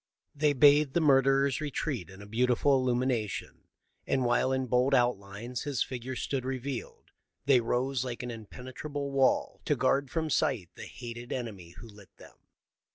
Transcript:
They bathed the murderer's retreat in a beautiful illumination, and, while in bold outlines his figure sto'od revealed, they rose like an impene trable wall to guard from sight the hated enemy who lit them.